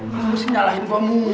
lu sih nyalahin pemu dulu ya